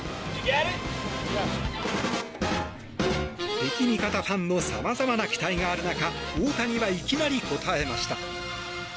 敵味方ファンのさまざまな期待がある中大谷はいきなり応えました。